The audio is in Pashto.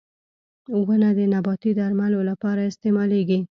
• ونه د نباتي درملو لپاره استعمالېږي.